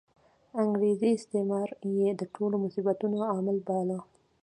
انګریزي استعمار یې د ټولو مصیبتونو عامل باله.